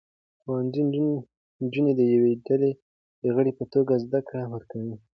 ښوونځي نجونې د یوې ډلې د غړو په توګه زده کړې ورکوي.